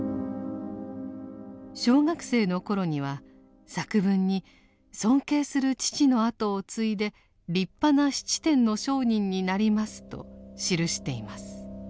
小学生の頃には作文に尊敬する父の後を継いで立派な質店の商人になりますと記しています。